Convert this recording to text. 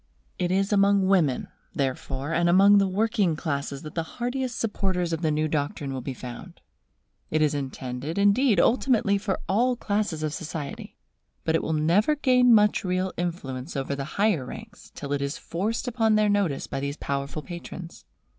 It is among women, therefore, and among the working classes that the heartiest supporters of the new doctrine will be found. It is intended, indeed, ultimately for all classes of society. But it will never gain much real influence over the higher ranks till it is forced upon their notice by these powerful patrons.